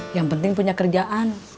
yang penting punya kerjaan